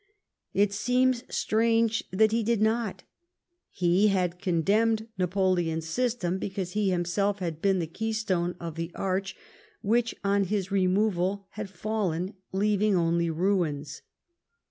It seems strange that he did not. He had condemned Napoleon's system because he himself had been the keystone of the arch, which, on his removal, had fallen, leaving only ruins.